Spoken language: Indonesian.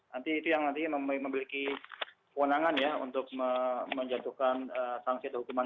nanti itu yang nanti memiliki kewenangan ya untuk menjatuhkan sanksi atau hukuman